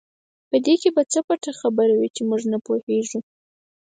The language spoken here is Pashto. په دې کې به څه پټه خبره وي چې موږ نه پوهېږو.